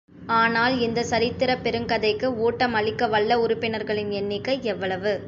ஆனால், இந்தச் சரித்திரப் பெருங்கதைக்கு ஊட்டம் அளிக்கவல்ல உறுப்பினர்களின் எண்ணிக்கை எவ்வளவு?